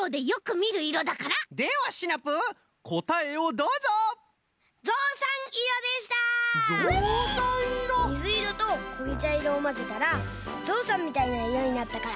みずいろとこげちゃいろをまぜたらぞうさんみたいないろになったから。